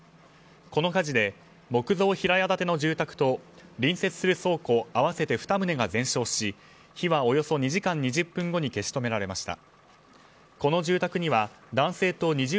この火事で木造平屋建ての住宅と隣接する倉庫合わせて２棟が全焼し火はおよそ２時間２０分後に消し止められました。